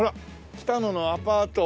北野のアパート。